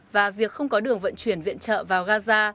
và việc không có đường vận chuyển viện trợ vào gaza